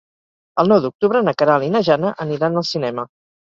El nou d'octubre na Queralt i na Jana aniran al cinema.